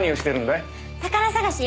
宝探しよ。